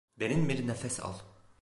Derin bir nefes al.